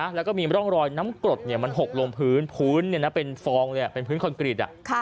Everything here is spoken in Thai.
แล้วก็มีร่องรอยน้ำกรดมันหกลงพื้นพื้นเป็นฟองเป็นพื้นคอนกรีต